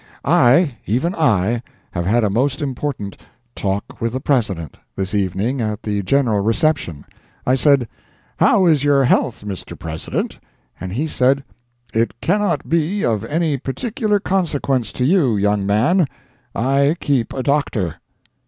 I, even I, have had a most important "Talk with the President"—this evening at the general reception. I said: "How is your health, Mr. President?" And he said: "It cannot be of any particular consequence to you, young man. I keep a doctor."